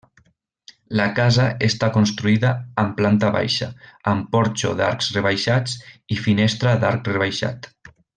La casa està construïda amb planta baixa, amb porxo d'arcs rebaixats, i finestra d'arc rebaixat.